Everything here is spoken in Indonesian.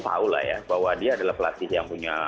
tahu lah ya bahwa dia adalah pelatih yang punya